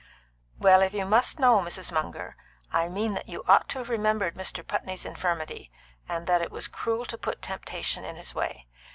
"Well, if you must know, Mrs. Munger, I mean that you ought to have remembered Mr. Putney's infirmity, and that it was cruel to put temptation in his way.